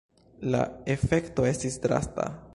La efekto estis drasta.